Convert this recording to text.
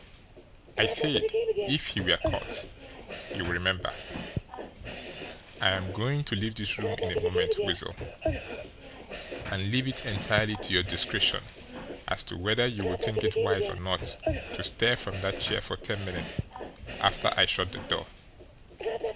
"I said, 'if he were caught,' you will remember. I am going to leave this room in a moment, Weasel, and leave it entirely to your discretion as to whether you will think it wise or not to stir from that chair for ten minutes after I shut the door.